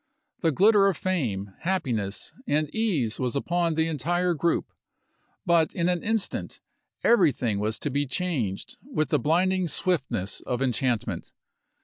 The glitter of fame, happiness, and ease was upon the entire group, but in an instant everything was to be changed with the blinding swiftness of enchantment.